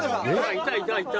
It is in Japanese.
「いたいたいた！」